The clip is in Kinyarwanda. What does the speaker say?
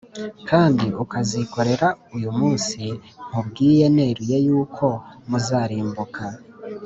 kandi ukazikorera, uyu munsi nkubwiye neruye yuko muzarimbuka